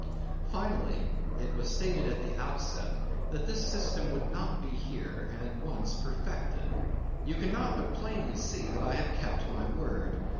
Finally: It was stated at the outset, that this system would not be here, and at once, perfected. You cannot but plainly see that I have kept my word.